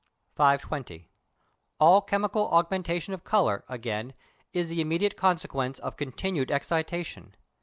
520. All chemical augmentation of colour, again, is the immediate consequence of continued excitation.